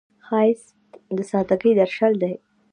ښایست د سادګۍ درشل دی